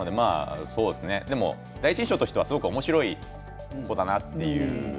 第一印象としてはおもしろい子だなという。